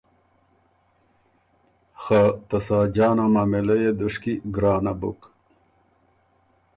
خه ته ساجان ا معامېله يې دُشکی ګرانه بُک۔